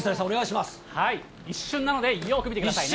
一瞬なのでよく見てくださいね。